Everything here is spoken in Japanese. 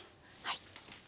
はい。